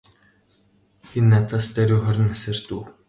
Энэ надаас даруй хорин насаар дүү.